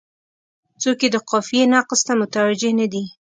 څوک یې د قافیې نقص ته متوجه نه دي.